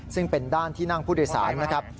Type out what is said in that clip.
ซึ่งเป็นด้านที่นั่งผู้โดยสารนะครับ